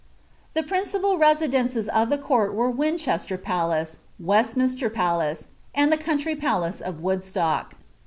The principal residences of the court were Winchester Palace, West minster Palace, and the country palace of Woodstock.